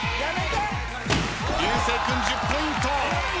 流星君１０ポイント。